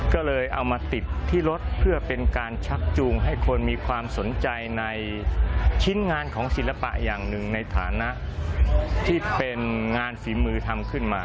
ก็เลยเอามาติดที่รถเพื่อเป็นการชักจูงให้คนมีความสนใจในชิ้นงานของศิลปะอย่างหนึ่งในฐานะที่เป็นงานฝีมือทำขึ้นมา